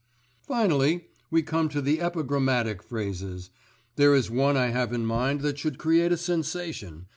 "Finally we come to the epigrammatic phrases. There is one I have in mind that should create a sensation.